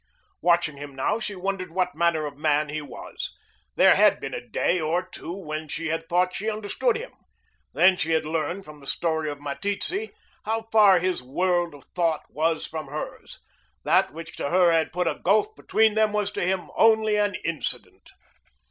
Watching him now, she wondered what manner of man he was. There had been a day or two when she had thought she understood him. Then she had learned, from the story of Meteetse, how far his world of thought was from hers. That which to her had put a gulf between them was to him only an incident.